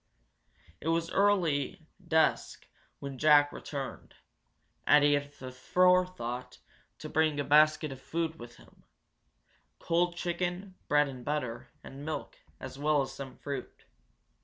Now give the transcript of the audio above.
It was early dusk when Jack returned, and he had the forethought to bring a basket of food with him cold chicken, bread and butter, and milk, as well as some fruit.